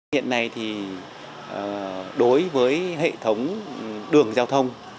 hiện nay thì đối với hệ thống đường giao thông